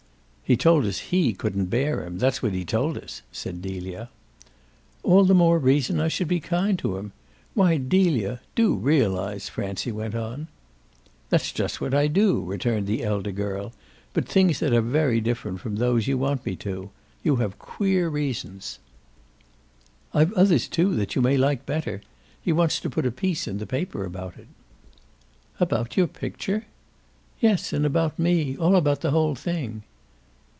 "He told us HE couldn't bear him; that's what he told us," said Delia. "All the more reason I should be kind to him. Why Delia, do realise," Francie went on. "That's just what I do," returned the elder girl; "but things that are very different from those you want me to. You have queer reasons." "I've others too that you may like better. He wants to put a piece in the paper about it." "About your picture?" "Yes, and about me. All about the whole thing."